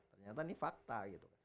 ternyata ini fakta gitu